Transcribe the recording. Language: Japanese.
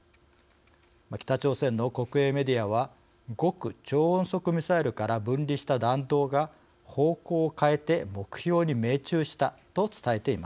北朝鮮の国営メディアは「極超音速ミサイルから分離した弾頭が方向を変えて目標に命中した」と伝えています。